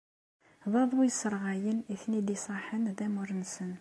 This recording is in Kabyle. D aḍu yesserɣayen i ten-id-iṣaḥen d amur-nsen.